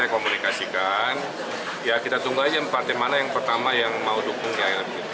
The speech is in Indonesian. kita tunggu aja partai mana yang pertama yang mau dukung ya